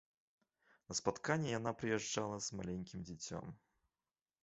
На спатканні яна прыязджала з маленькім дзіцём.